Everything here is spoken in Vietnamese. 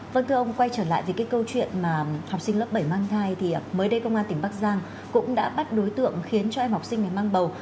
vâng thưa ông quay trở lại vì cái câu chuyện mà học sinh lớp bảy mang thai thì mới đây công an tỉnh bắc giang cũng đã bắt đối tượng khiến cho em học sinh này mang bầu